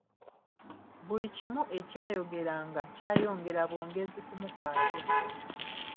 Buli kimu ekyayogeranga kyayongera bwongezi kumukaabya.